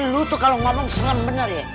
lu tuh kalau ngomong senang benar ya